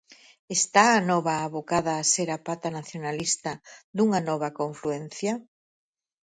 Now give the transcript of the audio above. Está Anova abocada a ser a pata nacionalista dunha nova confluencia?